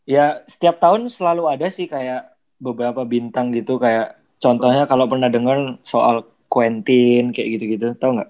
ya setiap tahun selalu ada sih kayak beberapa bintang gitu kayak contohnya kalau pernah dengar soal queentin kayak gitu gitu tau gak